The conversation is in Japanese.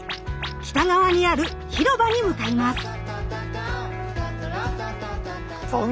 北側にある広場に向かいます。